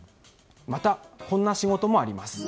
また、こんな仕事もあります。